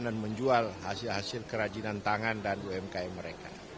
dan menjual hasil hasil kerajinan tangan dan umkm mereka